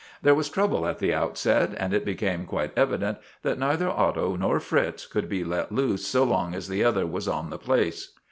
There was trouble at the outset, and it became quite evident that neither Otto nor Fritz could be let loose so long as the other was on the place.